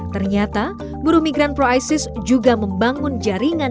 ternyata buruh migran pro isis juga membangun jaringan